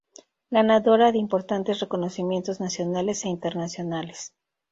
Ganadora de importantes reconocimientos nacionales e internacionales.